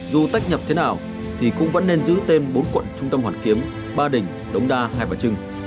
dù tách nhập thế nào thì cũng vẫn nên giữ tên bốn quận trung tâm hoàn kiếm ba đỉnh đống đa hai bà trưng